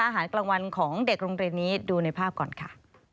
อาหารกลางวันของเด็กโรงเรียนนี้ดูในภาพก่อนค่ะ